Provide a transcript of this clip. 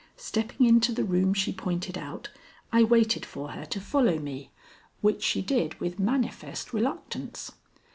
Stepping into the room she pointed out, I waited for her to follow me, which she did with manifest reluctance.